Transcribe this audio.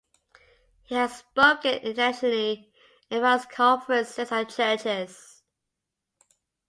He has spoken internationally at various conferences and churches.